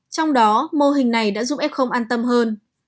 trong đó mô hình này đã giúp f không an tâm hơn